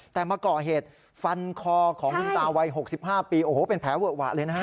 แต่มาก่อเหตุฟันคอของคุณตาวัย๖๕ปีโอ้โหเป็นแผลเวอะหวะเลยนะฮะ